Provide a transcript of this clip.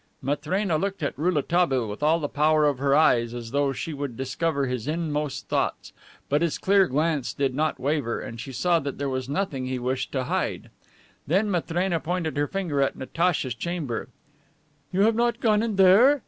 Matrena looked at Rouletabille with all the power of her eyes, as though she would discover his inmost thoughts, but his clear glance did not waver, and she saw there was nothing he wished to hide. Then Matrena pointed her finger at Natacha's chamber. "You have not gone in there?"